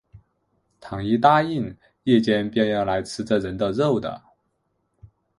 倘一答应，夜间便要来吃这人的肉的